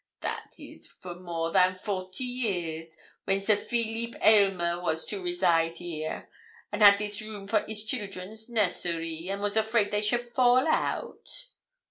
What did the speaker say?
'That is for more a than forty years, when Sir Phileep Aylmer was to reside here, and had this room for his children's nursery, and was afraid they should fall out.'